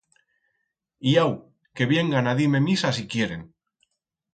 Y au, que viengan a dir-me misa si quieren!